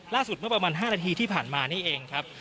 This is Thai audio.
เมื่อประมาณ๕นาทีที่ผ่านมานี่เองครับ